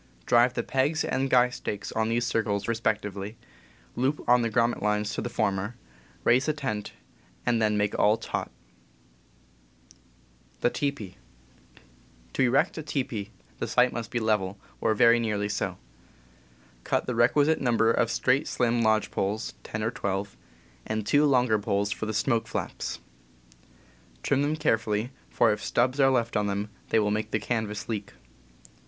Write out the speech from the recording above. Drive the pegs and guy stakes on these circles, respectively, loop on the grommet lines to the former, raise the tent, and then make all taut. To erect a teepee: The site must be level, or very nearly so. Cut the requisite number of straight, slim ^ lodge poles (ten or twelve), and two ^* longer poles for the smoke flaps. Trim them carefully, for if stubs are left on them they will make the canvas leak.